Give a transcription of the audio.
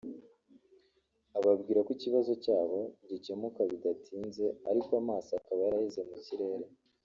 ababwira ko ikibazo cyabo gicyemuka bidatinze ariko amaso akaba yaraheze mu kirere